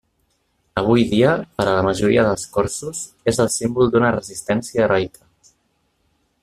Avui dia, per a la majoria dels corsos, és el símbol d'una resistència heroica.